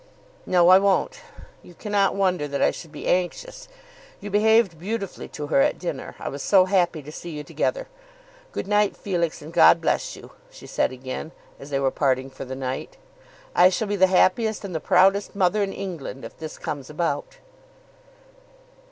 "No, I won't. You cannot wonder that I should be anxious. You behaved beautifully to her at dinner; I was so happy to see you together. Good night, Felix, and God bless you!" she said again, as they were parting for the night. "I shall be the happiest and the proudest mother in England if this comes about."